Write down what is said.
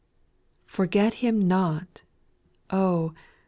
Forget Him not, oh